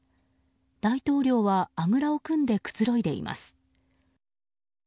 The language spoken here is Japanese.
大統領はあぐらを組んでくつろいでいます。